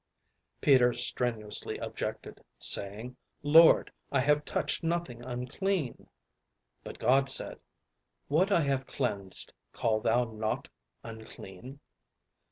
Peter strenuously objected, saying, "Lord, I have touched nothing unclean." But God said, "What I have cleansed, call thou not unclean."